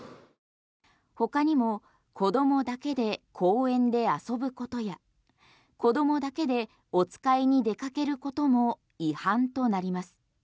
他にも子どもだけで公園で遊ぶことや子どもだけでお使いに出かけることも違反となります。